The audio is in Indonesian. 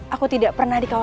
aku tidak pernah diketahuinya